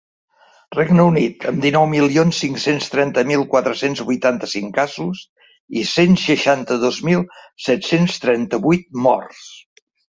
Regne Unit, amb dinou milions cinc-cents trenta mil quatre-cents vuitanta-cinc casos i cent seixanta-dos mil set-cents trenta-vuit morts.